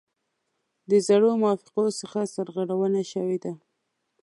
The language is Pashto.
د زړو موافقو څخه سرغړونه شوې ده.